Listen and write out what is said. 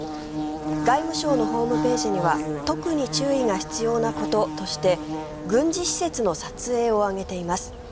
外務省のホームページには特に注意が必要なこととして軍事施設の撮影を挙げています。